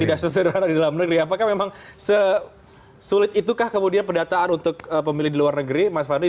tidak sesederhana di dalam negeri apakah memang sesulit itukah kemudian pendataan untuk pemilih di luar negeri mas fadli